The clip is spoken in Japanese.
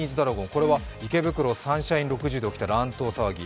これは池袋サンシャイン６０で起きた乱闘騒ぎ。